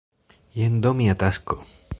Jen do mia tasko!